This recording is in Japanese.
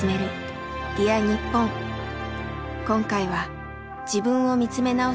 今回は自分を見つめ直す